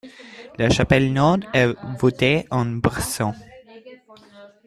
La chapelle nord est voûtée en berceau.